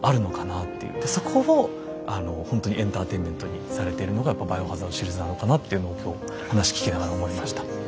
でそこをほんとにエンターテインメントにされてるのが「バイオハザード」シリーズなのかなっていうのを今日話聞きながら思いました。